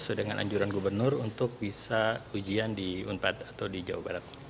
sesuai dengan anjuran gubernur untuk bisa ujian di unpad atau di jawa barat